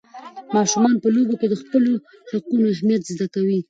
ماشومان په لوبو کې د خپلو حقونو اهمیت زده کوي.